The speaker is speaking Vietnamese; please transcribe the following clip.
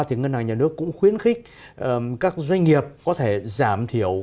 thì ngân hàng nhà nước cũng khuyến khích các doanh nghiệp có thể giảm thiểu